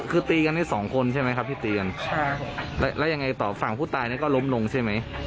คือตีกันให้สองคนใช่ไหมครับที่ตีกันใช่แล้วแล้วยังไงต่อฝั่งผู้ตายเนี่ยก็ล้มลงใช่ไหม